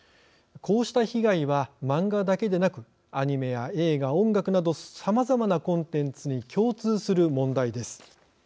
こうした被害は、漫画だけでなくアニメや映画、音楽などさまざまなコンテンツに共通する問題です。